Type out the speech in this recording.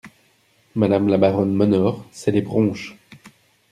Madame la baronne m’honore, c’est les bronches.